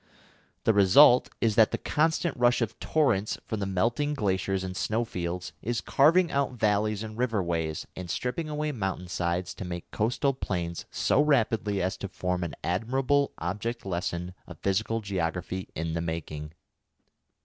The result is that the constant rush of torrents from the melting glaciers and snowfields is carving out valleys and river ways, and stripping away mountain sides to make coastal plains so rapidly as to form an admirable object lesson of physical geography in the making.